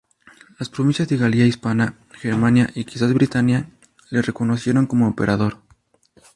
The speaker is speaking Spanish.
Las provincias de Galia, Hispania, Germania y quizás Britania le reconocieron como emperador.